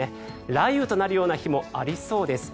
雷雨となるような日もありそうです。